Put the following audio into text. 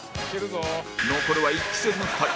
残るは１期生の２人